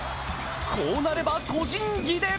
こうなれば個人技で！